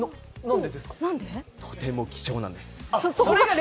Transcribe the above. とても貴重なんです。